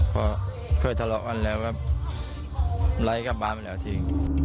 พอเคยทะเลาะกันแล้วก็ไล่กลับบ้านไปแล้วทิ้ง